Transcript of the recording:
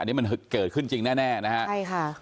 อันนี้มันเกิดขึ้นจริงแน่นะครับ